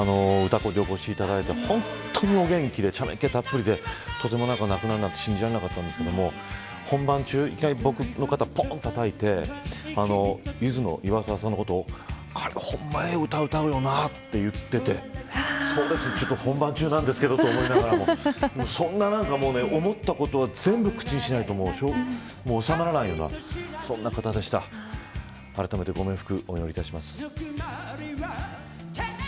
お越しいただいて本当にお元気で茶目っ気たっぷりでとても亡くなるなんて信じられなかったんですけど本番中、僕の肩をぽんとたたいてゆずの岩沢さんのことを彼、ほんまええ歌歌うよなと言ってて本番中なんですけどと思いながらもそんな思ったことを全部口にしないと収まらないようなあらためてご冥福